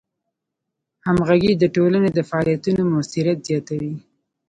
همغږي د ټولنې د فعالیتونو موثریت زیاتوي.